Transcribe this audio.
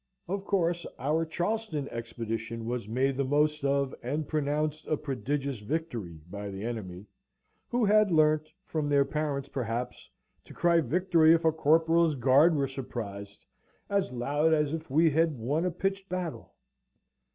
Of course our Charleston expedition was made the most of, and pronounced a prodigious victory by the enemy, who had learnt (from their parents, perhaps) to cry victory if a corporal's guard were surprised, as loud as if we had won a pitched battle.